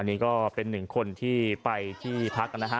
นี่ก็เป็นหนึ่งคนที่ไปที่พักนะฮะ